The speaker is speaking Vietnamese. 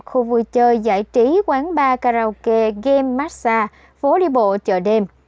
khu vui chơi giải trí quán bar karaoke game massage phố đi bộ chợ đêm